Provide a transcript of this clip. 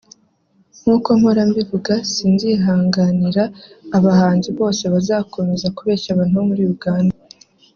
Nk’uko mpora mbivuga sinzihanganira abahanzi bose bazakomeza kubeshya abantu bo muri Uganda